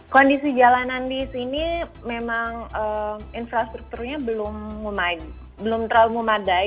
kondisi jalanan di sini memang infrastrukturnya belum terlalu memadai